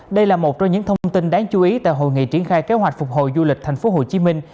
đây là một trong những thông tin đáng chú ý tại hội nghị triển khai kế hoạch phục hồi du lịch thành phố hồ chí minh